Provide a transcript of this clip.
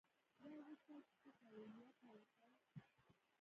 دا اوس تاسې څه کوئ؟ نیت مې وکړ.